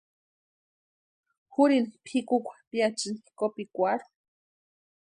Jurini pʼikukwa piachiani kópikwarhu.